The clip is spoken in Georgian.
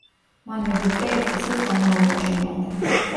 მან ეგვიპტე ერთი წლის განმავლობაში მართა.